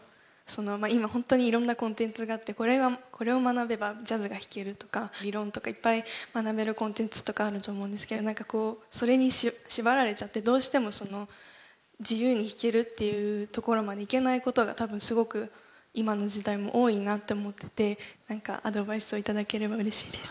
今本当にいろんなコンテンツがあってこれを学べばジャズが弾けるとか理論とかいっぱい学べるコンテンツとかあると思うんですけど何かこうそれに縛られちゃってどうしてもその自由に弾けるっていうところまでいけないことが多分すごく今の時代も多いなって思っててなんかアドバイスを頂ければうれしいです。